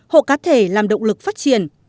hộ cá thể làm động lực phát triển